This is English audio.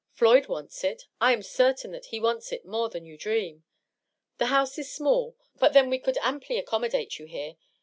Floyd wants it ; I am certain that he wants it more than you dream. The house is small, but then we could amply accommodate you here.